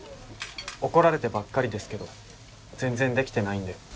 怒られてばっかりですけど全然できてないんで。